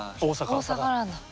大阪なんだ。